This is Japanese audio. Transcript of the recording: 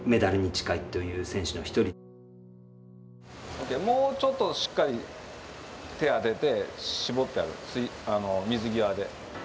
オーケーもうちょっとしっかり手当てて絞ってあげる水際で。